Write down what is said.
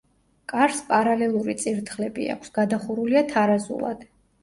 კარს პარალელური წირთხლები აქვს, გადახურულია თარაზულად.